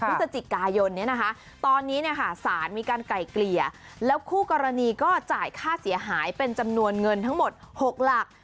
พฤศจิกายนเนี่ยนะคะตอนนี้เนี่ยค่ะสารมีการไก่เกลี่ยแล้วคู่กรณีก็จ่ายค่าเสียหายเป็นจำนวนเงินทั้งหมด๖หลัก